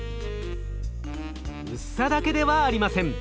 薄さだけではありません。